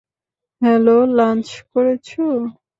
Hello, -lunch করেছ?